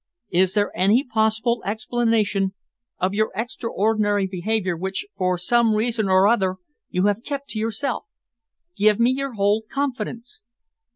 Is there any possible explanation of your extraordinary behaviour which, for some reason or other, you have kept to yourself? Give me your whole confidence."